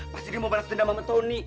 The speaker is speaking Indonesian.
pasti dia mau balas dendam sama tony